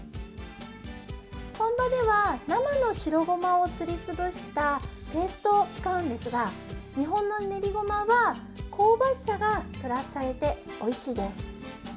本場では生の白ごまをすりつぶしたペーストを使うんですが日本の練りごまは香ばしさがプラスされておいしいです。